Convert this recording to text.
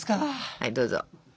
はいどうぞ。